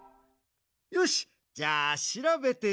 よしじゃあしらべてみよう。